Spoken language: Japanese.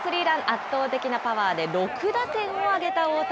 圧倒的なパワーで６打点を挙げた大谷。